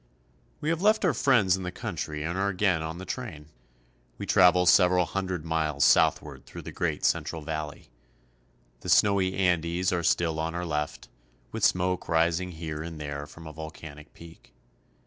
WE have left pur friends in the country and are again on the train. We travel several hundred miles south ward through the great central valley. The snowy Andes are still on our left, with smoke rising here and there from a volcanic peak.